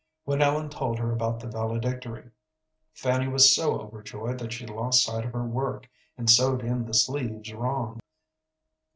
When Ellen told her about the valedictory, Fanny was so overjoyed that she lost sight of her work, and sewed in the sleeves wrong.